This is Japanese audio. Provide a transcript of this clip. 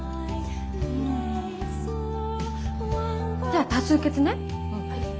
じゃあ多数決ね。